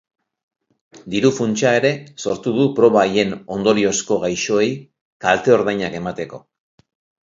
Diru-funtsa ere sortu du proba haien ondoriozko gaixoei kalte-ordainak emateko.